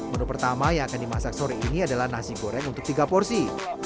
menu pertama yang akan dimasak sore ini adalah nasi goreng untuk tiga porsi